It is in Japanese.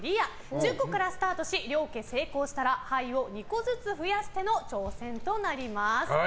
１０個からスタートし両家成功したら牌を２個ずつ増やしての挑戦となります。